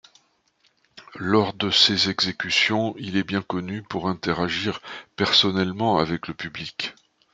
Lors de ses exécutions, il est bien connu pour interagir personnellement avec le public.